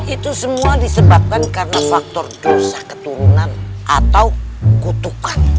itu semua disebabkan karena faktor dosa keturunan atau kutukan